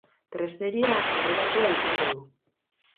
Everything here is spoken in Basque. Tresneria aurreratua izango du.